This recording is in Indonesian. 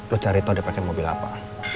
lo cari tau dia pake mobil apa